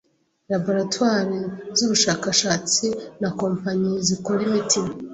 Laboratoires z'ubushakashatsi na kompanyi zikora imiti